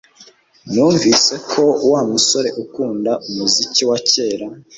Numvise ko Wa musore akunda umuziki wa kera